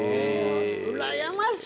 うらやましいな！